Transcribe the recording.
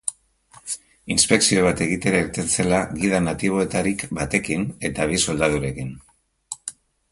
Inspekzio bat egitera irten zela gida natiboetarik batekin eta bi soldadurekin.